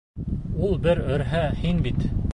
Ул бер өрһә, һин бит...